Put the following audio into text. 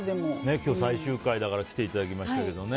今日最終回だから来ていただきました。